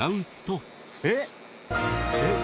えっ！